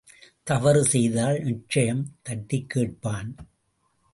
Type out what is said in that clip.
தவறு செய்தால், நிச்சயம் தட்டிக் கேட்பான்.